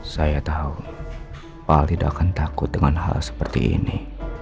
saya tahu pak tidak akan takut dengan hal seperti ini